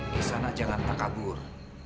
di sana jangan tak kabur